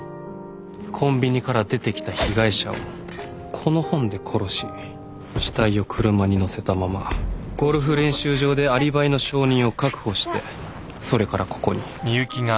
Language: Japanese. コンビニから出てきた被害者をこの本で殺し死体を車にのせたままゴルフ練習場でアリバイの証人を確保してそれからここに。